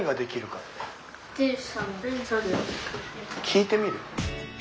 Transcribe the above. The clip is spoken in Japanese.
聞いてみる？